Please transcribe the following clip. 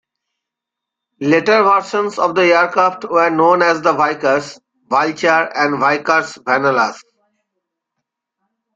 Later versions of the aircraft were known as the Vickers Vulture and Vickers Vanellus.